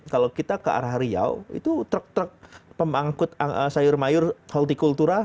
kalau kita ke arah riau itu truk truk pemangkut sayur mayur halti kultura